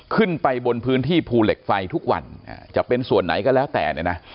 ขึ้นไปบนพื้นที่ภูเหล็กไฟทุกวันจะเป็นส่วนไหนก็แล้วแต่เนี่ยนะ